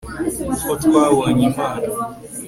kuko twabonye imana